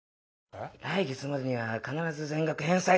来月までには必ず全額返済するって。